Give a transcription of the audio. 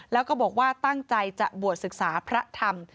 แล้วก็บอกว่าตั้งใจจะบวชศึกษาพระธรรม